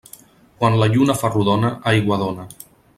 Quan la lluna fa rodona, aigua dóna.